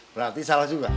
berarti salah juga